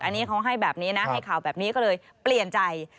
อันนี้เขาให้แบบนี้นะให้ข่าวแบบนี้ก็เลยเปลี่ยนใจ